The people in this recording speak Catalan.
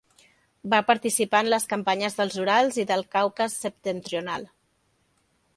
Va participar en les campanyes dels Urals i del Caucas Septentrional.